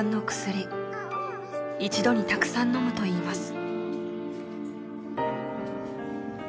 一度にたくさん飲むといいます。